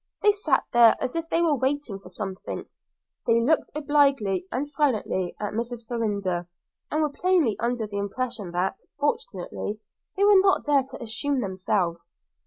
They sat there as if they were waiting for something; they looked obliquely and silently at Mrs. Farrinder, and were plainly under the impression that, fortunately, they were not there to amuse themselves.